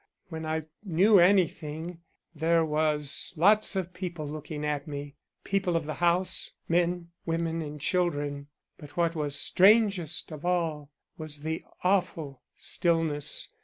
When I knew anything, there was lots of people looking at me; people of the house, men, women, and children, but what was strangest of all was the awful stillness.